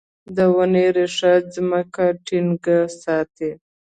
د ونې ریښه ځمکه ټینګه ساتي.